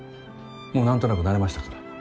もう何となく慣れましたから。